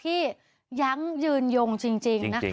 ที่ยั้งหยืนยงยึนยงยึนยงจริงค่ะ